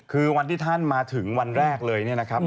คือวันที่ท่านมาถึงวันแรกเลยเนี่ยนะครับ